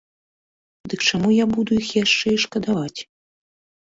Дык чаму я буду іх яшчэ і шкадаваць?